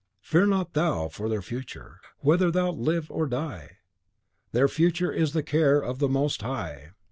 Fear not thou for their future. Whether thou live or die, their future is the care of the Most High!